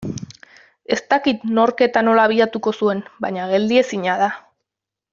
Ez dakit nork eta nola abiatuko zuen baina geldiezina da.